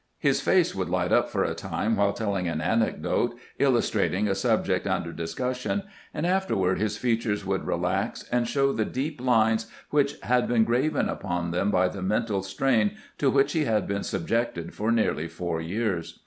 His face would light up for a time while telling an anecdote il lustrating a subject under discussion, and afterward his features would relax and show the deep lines which had been graven upon them by the mental strain to which he had been subjected for nearly four years.